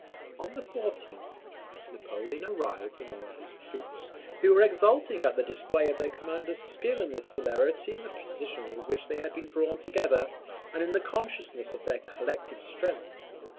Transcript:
On the 14th Napoleon arrived among his troops, who were exulting at the display of their commander's skill in the celerity and precision with which they had been drawn together, and in the consciousness of their collective strength.